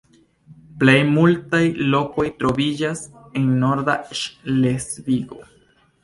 Plej multaj lokoj troviĝas en norda Ŝlesvigo.